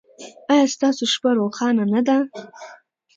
ایا ستاسو شپه روښانه نه ده؟